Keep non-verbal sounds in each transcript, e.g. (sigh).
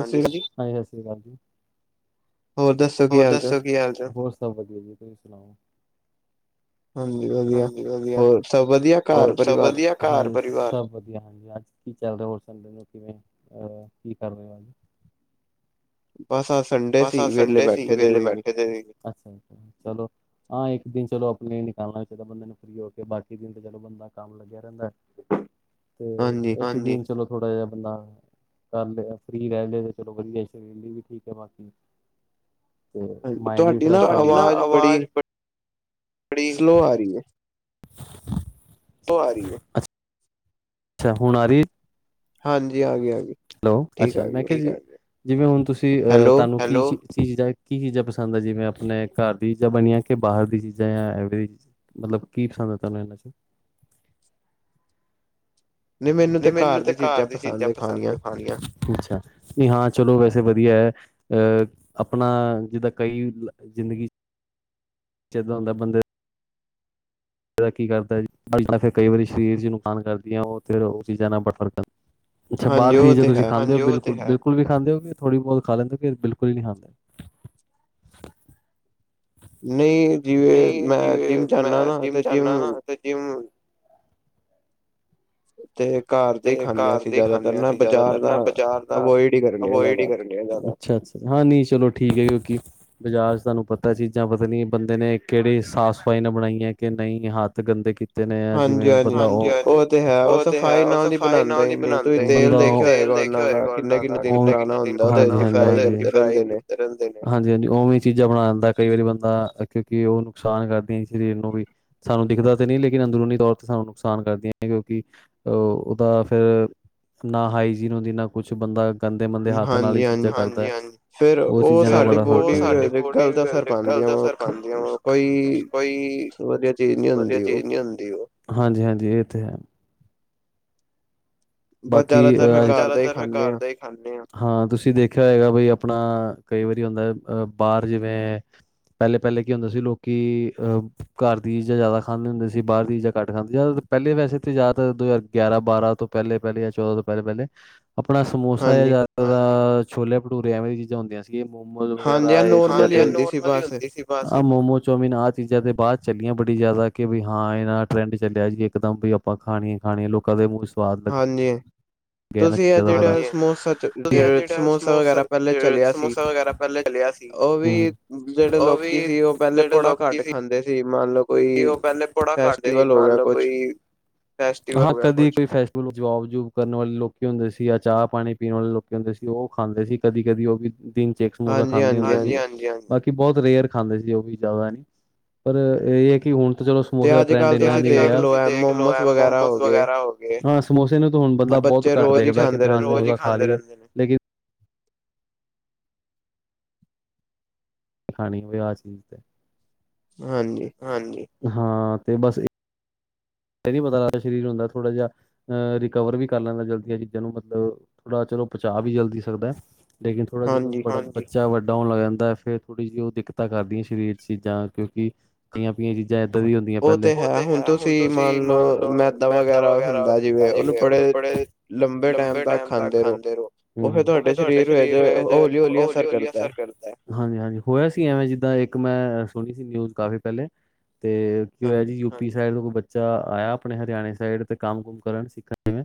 ਹਾਂਜੀ, ਹਾਂਜੀ, ਹਾਂਜੀ ਸਤਿ ਸ੍ਰੀ ਅਕਾਲ ਜੀ। ਹੋਰ ਦੱਸ? ਹੋਰ ਦੱਸੋ ਕੀ ਹਾਲ ਚਾਲ ਹੋਰ ਸਭ ਵਧੀਆ ਜੀ ਤੁਸੀਂ ਸੁਣਾਓ? ਹਾਂਜੀ ਵਧੀਆ ਹੋਰ ਸਬ ਵਧੀਆ ਘਰ ਪਰਿਵਾਰ। ਘਰ ਪਰਿਵਾਰ ਸਭ ਵਧੀਆ ਹਾਂਜੀ ਅੱਜ ਕੀ ਚੱਲ ਰਿਹਾ ਹੋਰ ਸੰਡੇ ਨੂੰ ਕਿਵੇਂ ਕੀ ਕਰ ਰਹੇ ਹੋ? ਬਸ ਅੱਜ ਸੰਡੇ ਸੀ ਵਿਹਲੇ ਬੈਠੇ ਦੇ ਸੀ। ਅੱਛਾ ਅਛਾ ਚਲੋ। ਹਾਂ ਇੱਕ ਦਿਨ ਚਲੋ ਆਪਣੇ ਨਿਕਾਲਣਾ ਹੋ ਚਾਹੀਦਾ ਬੰਦੇ ਨੂੰ ਫਰੀ ਹੋ ਕੇ ਬਾਕੀ ਦਿਨ ਤੇ ਚਲੋ ਬੰਦਾ ਕੰਮ ਲੱਗ ਕਰਦਾ ਰਹਿੰਦਾ ਤੇ ਹਾਂਜੀ। ਚਲੋ ਥੋੜਾ ਜਿਹਾ ਬੰਦਾ ਕਰ ਲਿਆ ਫ੍ਰਰੀ ਰਹਿ ਲਏ ਤੇ ਚਲੋ ਵਧੀਆ ਸਰੀਰ ਲਈ ਵੀ ਠੀਕ ਹੈ ਬਾਕੀ ਤੇ ਮਾਇਡ ਵੀ ਫਰੈਸ਼ ਹੋ ਜਾਂਦਾ ਤੁਹਾਡੀ ਨਾ ਆਵਾਜ਼ ਸਲੋ ਆ ਰਹੀ ਹੈ। ਤੋ ਆ ਰਹੀ ਹੈ। ਅੱਛਾ ਹੁਣ ਆ ਰਹੀ ਹੈ। ਹਾਂਜੀ ਆ ਗਈ ਆ ਗਈ। ਹੈਲੋ ਅੱਛਾ ਮੈਂ ਕਿਹਾ ਜੀ ਜਿਵੇਂ ਹੁਣ ਤੁਸੀਂ ਅ ਤੁਹਾਨੂੰ ਹੈਲੋ। ਚੀਜ਼ ਦਾ ਕੀ ਚੀਜ਼ਾਂ ਪਸੰਦ ਆ ਜਿਵੇਂ ਆਪਣੇ ਘਰ ਦੀ ਚੀਜ਼ਾਂ ਬਣੀਆਂ ਕਿ ਬਾਹਰ ਦੀ ਚੀਜ਼ਾਂ ਜਾਂ ਐਵਰੀ? ਮਤਲਬ ਕੀ ਪਸੰਦ ਹੈ ਤੁਹਾਨੂੰ ਇਹਨਾਂ ਚ ਨਹੀਂ ਮੈਨੂੰ ਤੇ ਘਰ ਦੀ ਚੀਜ਼ਾਂ ਪਸੰਦ ਹੈ ਖਾਣੀਆਂ ਅੱਛਾ ਨਹੀਂ ਹਾਂ ਚਲੋ ਵੈਸੇ ਵਧੀਆ ਹੈ। ਅਹ ਆਪਣਾ ਜਿੱਦਾਂ ਕਈ ਜ਼ਿੰਦਗੀ ਚ ਜਿੱਦਾਂ ਹੁੰਦਾ ਬੰਦੇ। ਦਾ ਕੀ ਕਰਦਾ ਜ ਫਿਰ ਕਈ ਵਾਰੀ ਸਰੀਰ ਚ ਨੁਕਸਾਨ ਕਰਦੀਆ ਉਹ ਫੇਰ ਉਹ ਚੀਜ਼ਾਂ ਨਾਲ ਬੜਾ ਫਰਕ ਅੱਛਾ ਬਾਹਰ ਦੀਆਂ ਚੀਜ਼ਾਂ ਤੁਸੀਂ ਖਾਂਦੇ ਹੋ ਹਾਂਜੀ ਉਹ ਤੇ ਹੈ। ਬਿਲਕੁਲ ਵੀ ਖਾਂਦੇ ਹੋ ਕਿ ਥੋੜੀ ਬਹੁਤ ਖਾ ਲੈਂਦੇ ਬਿਲਕੁਲ ਹੀ ਨਹੀਂ ਖਾਂਦੇ। ਨਹੀਂ ਜਿਵੇਂ ਮੈਂ ਜਿੰਮ ਜਾਂਨਾ ਨਾ ਤੇ ਜਿੰਮ ਤੇ ਜਿਮ ਤੇ ਘਰ ਦੇ ਹੀ ਖਾਨੇ ਹ ਅਸੀਂ ਜ਼ਿਆਦਾਤਰ ਨਾ ਬਜ਼ਾਰ ਦਾ ਅਵੋਇਡ ਹੀ ਕਰਨੇ ਹਾਂ ਜ਼ਿਆਦਾ ਅੱਛਾ ਅੱਛਾ ਹਾਂ ਨਹੀਂ ਚਲੋ ਠੀਕ ਹੈ ਜੀਓਕੇੀ (unintelligible) ਬਜਾਰ ਤੁਹਾਨੂੰ ਪਤਾ ਚੀਜ਼ਾਂ ਪਤਾ ਨੀ ਬੰਦੇ ਨੇ ਕਿਹੜੀ ਸਾਫ਼ ਸਫ਼ਾਈ ਨਾਲ ਬਣਾਈਆਂ ਕਿ ਨਹੀਂ ਹੱਥ ਗੰਦੇ ਕੀਤੇ ਹਾਂਜੀ ਹਾਂਜੀ ਉਹ ਤੇ ਹੈ ਉਹ ਸਫਾਈ ਨਾਲ ਨੀ ਬਣਾਂਦੇ ਨੀ ਤੁਸੀਂ ਤੇਲ ਦੇਖਿਆ ਹੋਏਗਾ ਉਹਨਾਂ ਦਾ ਕਿੰਨੇ ਕਿੰਨੇ ਦਿਨ ਪੁਰਾਣਾ ਹੁੰਦਾ ਉਹਦੇ ਫਰਾਈ ਕਰਦੇ ਮਿਲਦੇ ਨੇ। ਮਿਲਦੇ ਨੇ ਹਾਂਜੀ ਹਾਂਜੀ, ਉਵੇਂ ਚੀਜ਼ਾਂ ਬਣਾ ਦਿੰਦਾ ਕਈ ਵਾਰੀ ਬੰਦਾ, ਕਿਉਂਕਿ ਉਹ ਨੁਕਸਾਨ ਕਰਦੀਆਂ ਸਰੀਰ ਨੂੰ ਵੀ ਸਾਨੂੰ ਦਿਖਦਾ ਤਾਂ ਨੀ, ਲੇਕਿਨ ਅੰਦਰੂਨੀ ਤੌਰ ਤੇ ਸਾਨੂੰ ਨੁਕਸਾਨ ਕਰਦੀਆਂ, ਕਿਉਂਕਿ ਅਹ ਬਾ ਫੇਰ ਨਾ ਹਾਈਜੀਨ ਹੁੰਦੀ ਨਾ ਕੁਛ ਬੰਦਾ ਗੰਦੇ ਮੰੰਦੇ ਹੱਥ ਨਾਲ ਹੀ ਚੀਜ਼ਾਂ ਕਰਦਾ (unintelligible) ਹਾਂਜੀ ਹਾਂਜੀ ਉਹ ਚੀਜ਼ਾਂ, ਉਹ ਸਾਡੀ ਬੋਡੀ ਗਲਤ ਅਸਰ ਪਾਂਦੀਆਂ ਐ, ਕੋਈ ਵਧੀਆ ਚੀਜ਼ ਨਹੀਂ ਹੁੰਦੀ ਉਹ, ਹਾਂਜੀ ਹਾਂਜੀ ਇਹ ਤੇ ਹੈ ਬਾਕੀ ਅਹ, ਜ਼ਿਆਦਾਤਰ ਘਰ ਦਾ ਈ ਹਾਂ, ਤੁਸੀਂ ਦੇਖਿਆ ਹੋਏਗਾ ਬਈ ਆਪਣਾ ਕਈ ਵਾਰੀ ਹੁੰਦਾ ਅ ਬਾਹਰ ਜਿਵੇਂ ਪਹਿਲੇ ਪਹਿਲੇ ਕੀ ਹੁੰਦਾ ਸੀ, ਲੋਕੀ ਅਹ ਘਰ ਦੀ ਚੀਜ਼ਾਂ ਜ਼ਿਆਦਾ ਖਾਂਦੇ ਹੁੰਦੇ ਸੀ ਬਾਹਰ ਦੀ ਚੀਜ਼ਾਂ ਘੱਟ ਖਾਂਦੇ ਜ਼ਿਆਦਾ ਪਹਿਲੇ ਵੈਸੇ ਤਾਂ ਜ਼ਿਆਦਤਰ, ਦੋ ਹਜ਼ਾਰ ਗਿਆਰਾਂ ਬਾਰਾਂ ਤੋਂ ਪਹਿਲੇ ਪਹਿਲੇ ਜਾਂ ਚੋਦੋਂ ਤੋਂ ਪਹਿਲੇ ਪਹਿਲੇ, ਆਪਣਾ ਸਮੋਸਾ ਯਾਂ ਜ਼ਿਆਦਾ ਛੋਲੇ ਭਟੂਰੇ ਆਂ ਐਵੇਂ ਦੀਆਂ ਚੀਜ਼ਾਂ ਹੁੰਦੀਆਂ ਸੀ। ਮੋਮੋਜ਼ ਵਗੈਰਾ, ਹਾਂਜੀ ਹਾ ਨੋਰਮਲ ਹੀ ਹੁੰਦੇ ਸੀ ਆਹ ਮੋਮੋ ਚੋਮਮੀਨ ਆਹ ਚੀਜ਼ਾਂ ਤੇ ਬਾਅਦ ਚੱਲੀਆਂ, ਬੜੀ ਜ਼ਿਆਦਾ ਆ ਕੇ ਬਈ ਹਾਂ ਇਹਨਾ ਟਰੈਂਡ ਚੱਲਿਆ ਜੀ ਇਕਦਮ ਵੀ ਆਪਾਂ ਖਾਣੀ ਖਾਣੀ ਲੋਕਾਂ ਦੇ ਮੂੰਹ ਸਵਾਦ ਲੱ ਹਾਂਜੀ (inaudible) ਗਿਆ ਇਹਨਾਂ ਚੀਜ਼ਾਂ ਦਾ ਬੜਾ, ਹਾਂਜੀ ਵਧੀਆ ਜਿਹੜਾ ਸਮੋਸਾ ਸਮੋਸਾ ਵਗੈਰਾ ਪਹਿਲੇ ਚੱਲਿਆ ਸੀ ਉਹ ਵੀ ਜਿਹੜੇ ਲੋਕੀ ਸੀ, ਉਹ ਪਹਿਲੇ ਬੜਾ ਘੱਟ ਖਾਂਦੇ ਸੀ ਮੰਨ ਲੋ ਕੀ ਉਹ ਪਹਿਲੇ ਪੜਾ ਕਰਦੇ ਸੀ ਮਨ ਲੋ ਕੋਈ ਫੈਸਟੀ ਹਾਂ ਕਦੀ ਕੋਈ ਫੇਸਟੀ ਹਾਂ ਜਬੂਬ ਕਰਨ ਵਾਲੇ ਲੋਕੀ ਹੁੰਦੇ ਸੀ ਆ ਚਾਹ ਪਾਣੀ ਪੀਣ ਵਾਲੇ ਲੋਕ ਹੁੰਦੇ ਸੀ, ਉਹ ਖਾਂਦੇ ਸੀ ਕਦੀ ਕਦੀ ਉਹ ਵੀ ਦਿਨ ਚ ਇਕ ਸਮੋਸਾ ਖਾਂਦੇ ਹੁਦੇ ਸੀ, ਬਾ ਕੀ ਬਹੁਤ ਰੇਅਰ ਖਾਂਦੇ ਸੀ ਉਹ ਵੀ ਜ਼ਿਆਦਾ ਨੀ, ਪਰ ਇਹ ਐ ਕਿ ਹੁਣ ਤਾਂ ਚਲੋਂ, ਸ ਮੋਸੇ ਦਾ ਟਰੈਡ ਹੀ ਰੇਆ, ਤੇ ਅੱਜ ਕੱਲ ਤੁਸੀਂ ਦੇਖ ਲੋ ਐ, ਮੋਮਸ ਵਗੈਰਾ ਹੋਗੇ, ਹਾਂ ਸਮੋਸੇ ਨੂੰ ਹੁਣ ਬਦਾ ਬਹੁਤ ਘੱਟ ਦੇਖਦਾ ਵਿਹ ਖਾ ਲ ਲੇਕਿਨ (unintelligible) ਖਾਣੀ ਹੋਵੇ ਆਹ ਚੀਜ਼ ਤੇ। (unintelligible) ਹਾਂਜੀ। ਹਾਂਜੀ, ਹਾਂ ਤੇ ਬਸ ਇ ਹ (unintelligible) ਨੀ ਪਤਾ ਲਗਦਾ ਸਰੀਰ ਹੁੰਦਾ ਥੜਾ ਜਾ ਅਹ ਰਿਕਵਰ ਵੀ ਕਰ ਲੈਂਦਾ ਜਲਦੀਆਂ ਚੀਜ਼ਾਂ ਨੂੰ ਮਤਲਬ ਥੋੜ੍ਹਾ ਚਲੋਂ ਪਚਾਅ ਵੀ ਜਲਦੀ ਸਕਦਾ ਐ ਲੇਕਿਨ ਥੋੜਾ ਜਦੋਂ ਬੜ, (unintelligible) ਹਾਂਜੀ। ਚਾ ਵੱਡਾ ਹੋਣ ਲੱਗ ਜਾਂਦਾ ਫੇਰ ਥੋੜ੍ਹੀ ਜਿਹੀ ਉਹ ਦਿੱਕਤਾਂ ਕਰਦੀਆਂ ਸਰੀਰ ਚ ਚੀਜ਼ਾਂ, ਕਿਉਂਕਿ ਪਈਆਂ ਪਈਆਂ ਚੀਜ਼ਾਂ ਚੀਜ਼ਾਂ ਇੱਦਾਂ ਵੀ ਹੁੰਦੀਆਂ ਪਹਿਲੇ, ਉਹ ਤੇ ਹੈ ਹੁਣ ਤੁਸੀਂ (unintelligible) ਮੰਨ ਲਓ, ਮੈਦਾ ਵਗੈਰਾ ਹੁੰਦਾ ਜਿਵੇਂ ਉਹਨੂੰ ਪੜੇ ਲੰਬੇ ਟੈਮ ਤੱਕ ਖਾਂਦੇ ਰਹੋ, ਉ ਫਿਰ ਤੁਹਾਡੇ ਸਰੀਰ ਅਜਿਹਾ ਹੌਲੀ ਹੌਲੀ ਅਸਰ ਕਰ ਕਰਦੇ, ਹਾਂਜੀ ਹਾਂਜੀ ਹੋਇਆ ਸੀ ਐਵੇਂ ਜਿਦਾਂ ਇੱਕ ਮੈਂ ਸੁਣੀ ਸੀ ਨਿਊਜ਼ ਕਾਫੀ ਪਹਿਲੇ ਤੇ ਕਿ ਹੋਇਆ ਜੀ ਯੂਪੀ ਸਾਈਡ ਤੋਂ ਕੋਈ ਬੱਚਾ ਆਇਆ ਆਪਣੇ ਹਰਿਆਣੇ ਸਾਈਡ ਤੇ ਕੰਮ ਕੁਮ ਕਰਨ ਸਿੱਖਣ ਜਿਵੇਂ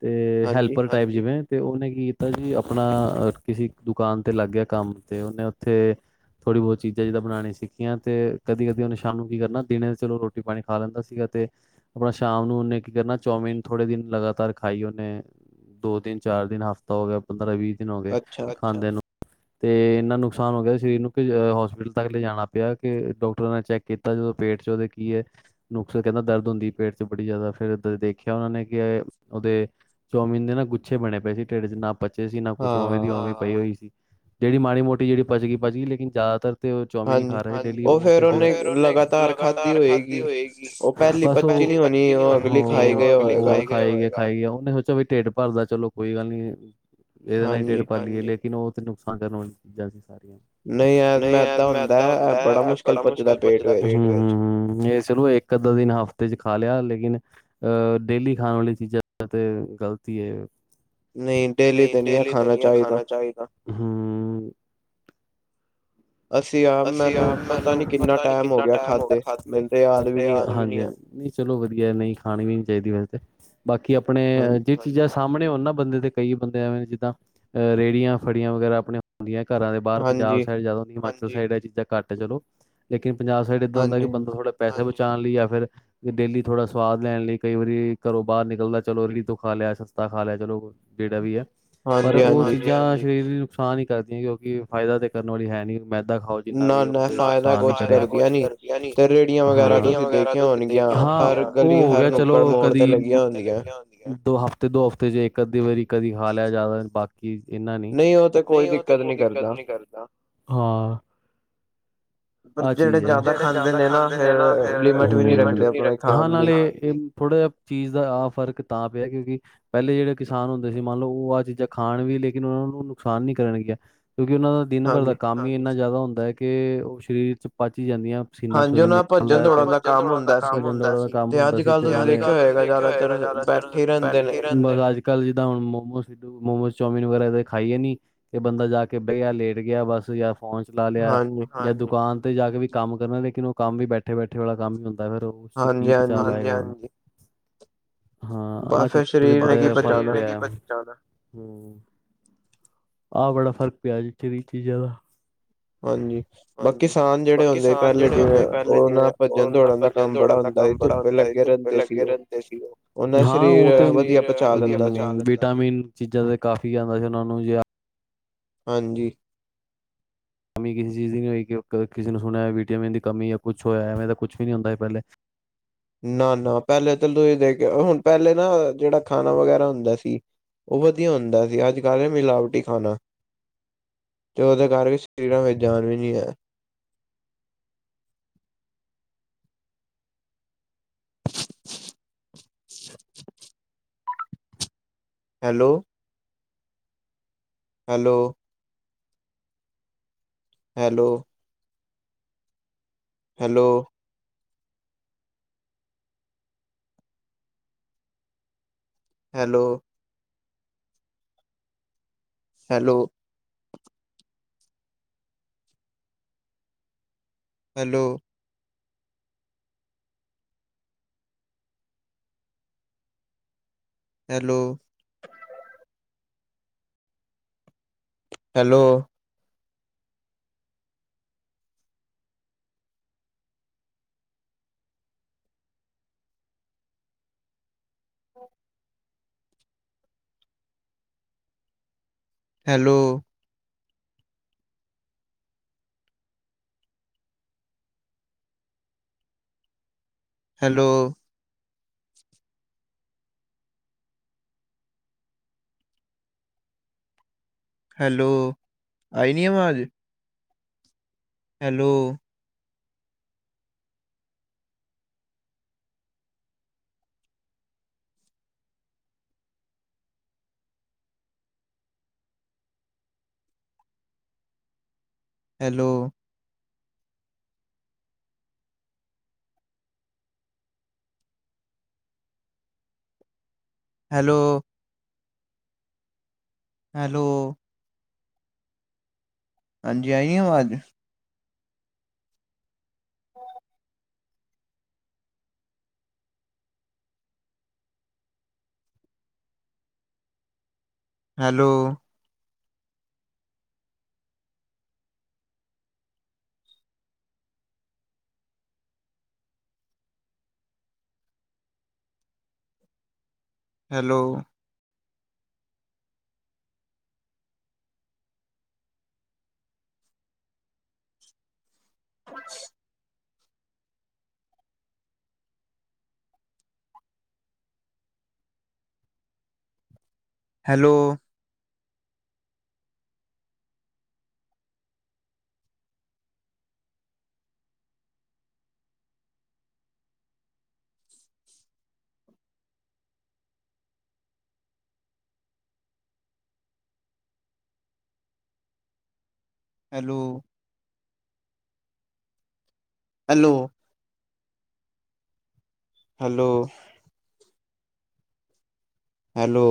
ਤੇ ਹੈਲਪਰ ਟਾਈਪ ਜਿਵੇਂ ਤੇ ਉਹਨੇ ਕੀ ਕੀਤਾ ਜੀ, ਆਪਣਾ ਕਿਸੇ ਦੁਕਾਨ ਤੇ ਲੱਗ ਗਿਆ ਕੰਮ ਤੇ ਉਹਨੇ ਉੱਥੇ ਥੋੜ੍ਹੀ ਬਹੁਤ ਚੀਜ਼ਾਂ ਜਿੱਦਾਂ ਬਣਾਉਣੀ ਸਿੱਖੀਆਂ ਤੇ ਕਦੀ ਕਦੀ ਉਹਨੇ ਸ਼ਾਮ ਨੂੰ ਕੀ ਕਰਨਾ, ਦਿਨੇ ਚਲੋਂ ਰੋਟੀ ਪਾਣੀ ਖਾ ਲੈਂਦਾ ਸੀਗਾ। ਤੇ ਆਪਣਾ ਸ਼ਾਮ ਨੂੰ ਉਹਨੇ ਕੀ ਕਰਨਾ, ਚੌਮਿਨ ਥੋੜੇ ਦਿਨ ਲਗਾਤਾਰ ਖਾਈ ਉਹਨੇ। ਦੋ ਦਿਨ ਚਾਰ ਦਿਨ ਹਫ਼ਤਾ ਹੋ ਗਿਆ, ਪੰਦਰਾਂ ਵੀਹ ਦਿਨ ਹੋ ਗਏ ਖਾਂਦੇ ਨੂੰ ਤੇ ਇੰਨਾ ਨੁਕਸਾਨ ਹੋ ਗਿਆ ਸਰੀਰ ਨੂੰ, ਕਿ ਹੋਸਪਿਟਲ ਤੱਕ ਲੈ ਜਾਣਾ ਪਿਆ, ਕਿ ਡਾਕਟਰਾਂ ਨੇ ਚੈੱਕ ਕੀਤਾ ਜਦੋਂ ਪੇਟ ਚ ਉਹਦੇ ਕੀ ਐ? ਫੇਰ ਕਹਿੰਦਾ ਦਰਦ ਹੁੰਦੀ ਪੇਟ 'ਚ ਬੜੀ ਜ਼ਿਆਦਾ ਫ਼ਿਰ ਜਦੋਂ ਦੇਖਿਆ, ਉਹਨਾਂ ਨੇ ਕਿ ਉਹਦੇ ਚੌਮੀਨ ਦੇ ਨਾ ਗੁਛੇ ਬਣੇ ਪਏ ਸੀ ਢਿੱਡ ਚ ਨਾ ਪਚੇ ਸੀ ਨਾ ਕੁਛ ਉਵੇਂ ਦੀ ਉਵੇਂ ਪਈ ਹੋਈ ਸੀ, ਜਿਹੜੀ ਮਾੜੀ ਮੋਟੀ ਜਿਹੜੀ ਪਚ ਗਈ, ਪਚ ਗਈ ਲੇਕਿਨ ਜ਼ਿਆਦਾਤਰ ਤੇ ਉਹ ਚੌਮਿਨ ਖਾ ਰਿਹਾ ਡੈਲੀ, ਉਹ ਤੇ ਫਿਰ ਉਹਨੇ ਲਗਾਤਾਰ ਖਾਧੀ ਹੋਏਗੀ। ਪਹਿਲੀ ਪੱਚੀ ਨੀ ਹੋਨੀ ਉਹ ਅਗਲੀ ਖਾ- ਖਾਈ ਗਿਆ ਖਾਈ ਗਿਆ, ਉਹਨੇ ਸੋਚਿਆ ਵੀ ਢਿੱਡ ਭਰਦਾ ਚਲੋਂ ਕੋਈ ਗੱਲ ਨੀ। ਇਹਦੇ ਨਾਲ ਹੀ ਢਿੱਡ ਪਰ ਲਈਏ, ਲੇਕਿਨ ਉਹ ਤੇ ਨੁਕਸਾਨ ਕਰਨ ਵਾਲੀਆਂ ਚੀਜ਼ਾਂ ਸੀ। ਸਾਰੀਆਂ ਨਹੀਂ ਐ ਮੈਂਦਾਂ ਹੁੰਦਾ ਐ ਬੜਾ ਮੁਸ਼ਕਿਲ ਪੱਚਦਾ ਪੇਟ ਇਸ ਇੱਕ ਅੱਧ ਦਿਨ ਹਫ਼ਤੇ ਚ ਖਾ ਲਿਆ ਲੇਕਿਨ ਅਹ ਡੇਲੀ ਖਾਣ ਵਾਲੀ ਚੀਜ਼ਾਂ ਤੇ ਗ਼ਲਤੀ ਹੈ ਨਈ ਡੇਲੀ ਤੇ ਨਈ ਖਾਣਾ ਚਾਹੀਦਾ ਚਾਹੀਦਾ ਹੂੰ ਹੂੰ ਅਸੀਂ ਆ ਮੈਨੂੰ ਪਤਾ ਨੀ ਕਿੰਨਾ ਟਾਈਮ ਹੋ ਗਿਆ ਖਾਦੇ ਮੈਨੂੰ ਤੇ ਯਾਦ ਨੀ ਹੈ ਨਈ ਚਲੋ ਵਧੀਆ ਨਈ ਖਾਣੀ ਵੀ ਨਹੀਂ ਚਾਹੀਦੀ। ਵੈਸੇ ਬਾਕੀ ਆਪਣੇ ਚੀਜ਼ਾਂ ਸਾਹਮਣੇ ਹੋ ਨਾ ਬੰਦੇ ਦੇ ਕਈ ਬੰਦੇ ਐਵੇਂ ਨੇ ਜਿੱਦਾਂ ਅਹ ਰੇੜੀਆਂ ਫੜੀਆਂ ਵਗੈਰਾ ਆਪਣੇ ਹੁੰਦੀਆਂ ਘਰਾਂ ਦੇ ਬਾਹਰ ਪੰਜਾਬ ਸਾਈਡ ਜ਼ਿਆਦਾ ਹੁੰਦੀ ਹਿਮਾਚਲ ਸਾਈਡ ਇਹ ਚੀਜ਼ਾਂ ਘੱਟ ਹੈ ਚਲੋ ਲੇਕਿਨ ਪੰਜਾਬ ਸਾਈਡ ਏਦਾਂ ਹੁੰਦਾ ਬੰਦਾ ਥੋੜ੍ਹੇ ਪੈਸੇ ਬਚਾਉਣ ਲਈ ਜਾਂ ਫਿਰ ਡੇਲੀ ਥੋੜਾ ਸਵਾਦ ਲੈਣ ਲਈ ਕਈ ਵਾਰੀ ਘਰੋਂ ਬਾਹਰ ਨਿਕਲਦਾ ਚਲੋ ਰੇੜੀ ਤੂੰ ਖਾ ਲਿਆ ਸਸਤਾ ਖਾ ਲਿਆ ਚਲੋ ਜਿਹੜਾ ਵੀ ਹੈ ਪਰ ਉਹ ਚੀਜ਼ਾਂ ਸਰੀਰ ਲਈ ਨੁਕਸਾਨ ਹੀ ਕਰਦੀਆਂ ਕਿਉਂਕਿ ਫਾਇਦਾ ਤੇ ਕਰਨ ਵਾਲੀ ਹੈ ਨੀ ਖਾਓ ਜਿੰਨਾ ਵੀ ਉਹ ਕੁਛ ਕਰਕੇ ਰੇੜੀਆਂ ਵਗੈਰਾ ਤੁਸੀਂ ਦੇਖ ਉਹ ਹੋ ਗਿਆ ਚਲੋ ਕਦੀ ਮੋੜ ਤੇ ਲੱਗੀ ਆ ਹੋ ਦੋ ਹਫ਼ਤੇ, ਦੋ ਹਫ਼ਤੇ ਚ ਇੱਕ ਅੱਧੀ ਵਾਰੀ ਕਦੀ ਖਾ ਲਿਆ ਜ਼ਿਆਦਾ ਬਾਕੀ ਕੀ ਇਹਨਾ ਨਈ। ਉਹ ਤ ਕੋਈ ਦਿੱਕਤ ਨੀ ਕਰਦਾ ਹਾਂ (inaudible) ਆਹ ਚੀਜ਼ ਹੈ। ਜੇੜੇ ਜਿਆਦਾ ਖਾਂਦੇ ਨੇ ਨਾ ਫੇਰ ਉਹ ਲਿਮਿਟ ਵੀ ਨਈ ਰਖਦੇ ਇਹਨੂੰ ਥੋੜਾ ਜਿਹਾ ਚੀਜ਼ ਦਾ ਆਹ ਫ਼ਰਕ ਤਾਂ ਪਿਆ ਕਿਉਂਕਿ ਪਹਿਲੇ ਜਿਹੜੇ ਕਿਸਾਨ ਹੁੰਦੇ ਸੀ। ਮੰਨ ਲਓ ਉਹ ਆਹ ਚੀਜ਼ਾਂ ਖਾਣ ਵੀ ਲੇਕਿਨ, ਉਹਨਾਂ ਨੂੰ ਨੁਕਸਾਨ ਨਈ ਕਰਨਗੀਆਂ ਕਿਉਂਕਿ ਉਹਨਾਂ ਦਾ ਦਿਨ ਭਰ ਦਾ ਕੰਮ ਹੀ ਇੰਨਾ ਜ਼ਿਆਦਾ ਹੁੰਦਾ ਹੈ। ਕਿ ਉਹ ਸਰੀਰ ਚ ਪਚ ਹੀ ਜਾਂਦੀਆਂ ਪਸੀਨਾ ਪੁਸੀਨਾ ਨਿਕਲ ਦਾ ਪਹਿਲਾ ਭੱਜਣ ਦੌੜਨ ਦਾ ਕੰਮ ਹੁੰਦਾ ਸੀਗਾ ਤੇ ਅੱਜ ਕੱਲ ਤੁਸੀਂ ਦੇਖਿਆ ਹੋਏਗਾ ਬੈਠੇ ਰਹਿੰਦੇ ਅੱਜ ਕੱਲ ਜਿੱਦਾਂ ਹੁਣ ਮੋਮੋ ਮੋਮੋਸ ਚੋਮਿਨ ਵਗੈਰਾ ਖਾਈਏ ਨੀ ਕਿ ਬੰਦਾ ਜਾ ਕੇ ਬਹਿ ਗਿਆ ਲੇਟ ਗਿਆ ਬਸ ਜਾਂ ਫੋਨ ਚਲਾ ਲਿਆ ਜਾਂ ਦੁਕਾਨ ਜਾ ਕੇ ਵੀ ਕੰਮ ਕਰਨਾ, ਲੇਕਿਨ ਉਹ ਕੰਮ ਵੀ ਬੈਠੇ- ਬੈਠੇ ਵਾਲਾ ਕੰਮ ਹੀ ਹੁੰਦਾ। ਫਿਰ ਉਸ ਚ ਕੀ ਪਚਾਨਾ ਹਾਂ ਆਹ ਚੀਜ਼ਾਂ ਤੇ ਬੜਾ ਫਰਕ ਪਿਆ ਹੂੰ, ਆਹ ਬੜਾ ਫ਼ਰਕ ਪਿਆ ਜਥੇ ਵੀ ਚੀਜ਼ਾਂ ਦਾ ਹਾਂਜੀ, ਬਾਕੀ ਕਿਸਾਨ ਜਿਹੜੇ ਹੁੰਦੇ ਸੀ, ਪਹਿਲੇ ਜਿਵੇਂ ਉਹ ਦੌੜਨ ਦਾ ਕੰਮ ਬੜਾ ਹੁੰਦਾ ਸੀ। ਧੁੱਪੇ ਲੱਗੇ ਰਹਿੰਦੇ ਸੀ ਉਹ। ਹਾਂ ਉਹ ਤੇ ਵਧੀਆ ਵਿਟਾਮਿਨ ਚੀਜ਼ਾਂ ਤੇ ਕਾਫੀ ਆਉਂਦਾ ਸੀ ਉਹ ਨੂੰ ਹਾਂਜੀ ਕਮੀ ਕਿਸੇ ਚੀਜ਼ ਦੀ ਨਈ ਹੋਈ, ਕਿਸੇ ਨੂੰ ਸੁਣਿਆ ਹੋ ਵਿਟਾਮੀਨ ਦੀ ਕਮੀ ਯਾਂ ਕੁਛ ਹੋਇਆ ਐਵੇਂ ਦਾ ਕੁਛ ਵੀ ਨਈ ਹੁੰਦਾ ਸੀ ਪਹਿਲੇ ਨਾ- ਨਾ ਪਹਿਲੇ ਤਾਂ ਤੁਸੀਂ ਦੇਖ ਹੁਣ ਪਹਿਲੇ ਨਾ ਜਿਹੜਾ ਖਾਣਾ ਵਗੈਰਾ ਹੁੰਦਾ ਸੀ ਉਹ ਵਧੀਆ ਹੁੰਦਾ ਸੀ, ਅੱਜ ਕੱਲ੍ਹ ਏ ਮਿਲਾਵਟੀ ਖਾਣਾ ਤੇ ਉਹਦੇ ਕਰਕੇ ਸਰੀਰਾਂ ਵਿੱਚ ਜਾਨ ਵੀ ਨਈ ਹੈ। (inaudible) Hello hello hello hello hello hello hello hello hello hello hello hello. ਆਈ ਨੀ ਆਵਾਜ ਹੈਲੋ ਹੈਲੋ ਹੈਲੋ ਹੈਲੋ ਹਾਂਜੀ। ਆਈ ਨੀ ਅਵਾਜ਼ hello hello (inaudible) hello hello hello hello hello